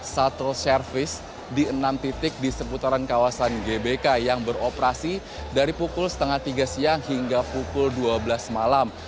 shuttle service di enam titik di seputaran kawasan gbk yang beroperasi dari pukul setengah tiga siang hingga pukul dua belas malam